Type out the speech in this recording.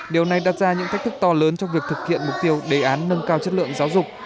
điều này đặt ra những thách thức to lớn trong việc thực hiện mục tiêu đề án nâng cao chất lượng giáo dục